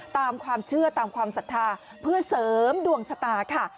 ตามความเชื่อตามความศรัทธาเพื่อเสริมดวงชะตาค่ะ